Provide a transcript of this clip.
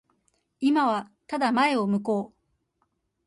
今はただ前を向こう。